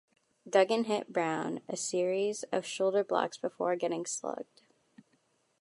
Duggan hit Brown a series of shoulder blocks before getting slugged.